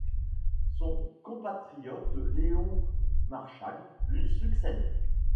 Son compatriote Léon Marchal lui succède.